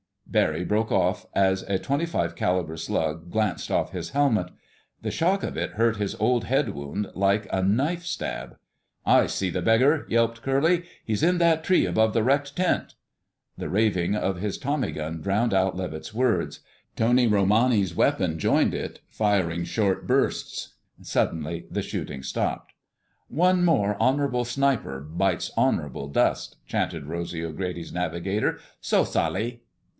Barry broke off as a .25 caliber slug glanced off his helmet. The shock of it hurt his old head wound like a knife stab. "I see the beggar!" yelped Curly. "He's in that tree above the wrecked tent...." The raving of his tommy gun drowned out Levitt's words. Tony Romani's weapon joined it, firing short bursts. Suddenly the shooting stopped. "One more honorable sniper bites honorable dust," chanted Rosy O'Grady's navigator. "So solly!"